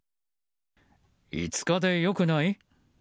５日でよくない？